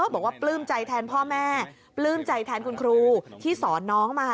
ปลื้มใจแทนพ่อแม่ปลื้มใจแทนคุณครูที่สอนน้องมา